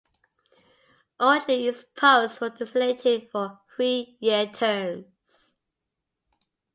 Originally its posts were designated for three year terms.